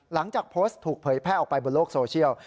หลังจากโพสต์ถูกเผยแพร่ออกไปบนโลกโซเชียล